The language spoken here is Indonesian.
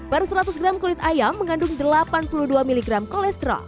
per seratus gram kulit ayam mengandung delapan puluh dua miligram kolesterol